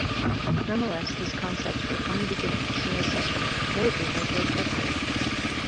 Nonetheless these concepts were from the beginning seen as suspect, notably by George Berkeley.